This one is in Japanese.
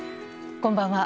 こんばんは。